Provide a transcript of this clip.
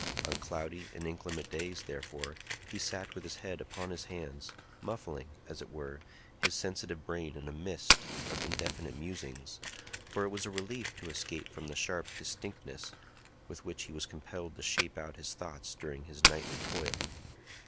On cloudy and inclement days, therefore, he sat with his head upon his hands, muffling, as it were, his sensitive brain in a mist of indefinite musings, for it was a relief to escape from the sharp distinctness with which he was compelled to shape out his thoughts during his nightly toil.